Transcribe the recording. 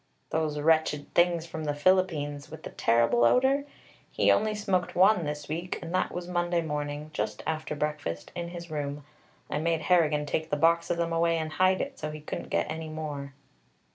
"Those wretched things from the Philippines, with the terrible odor? He only smoked one this week, and that was Monday morning, just after breakfast, in his room. I made Harrigan take the box of them away and hide it, so he couldn't get any more."